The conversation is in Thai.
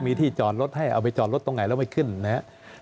มีที่จอดรถให้เอาไปจอดรถตรงไหนแล้วไม่ขึ้นนะครับ